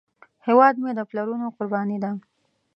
هیواد مې د پلرونو قرباني ده